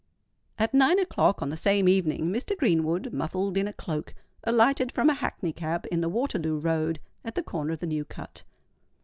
At nine o'clock on the same evening, Mr. Greenwood, muffled in a cloak, alighted from a hackney cab in the Waterloo Road at the corner of the New Cut.